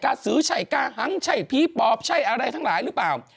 สือใช่กาหังใช่ผีปอบใช่อะไรทั้งหลายหรือเปล่า